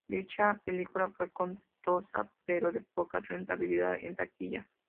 Dicha película fue costosa pero de poca rentabilidad en taquilla.